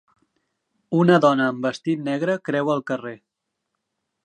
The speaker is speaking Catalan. Una dona amb un vestit negre creua el carrer.